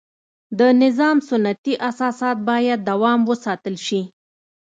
د نظام سنتي اساسات باید دوام وساتل شي.